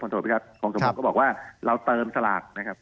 ความสมมุติครับความสมมุติก็บอกว่าเราเติมสลากนะครับ